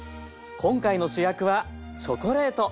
今回の主役はチョコレート。